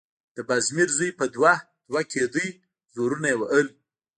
د بازمير زوی په دوه_ دوه کېده، زورونه يې وهل…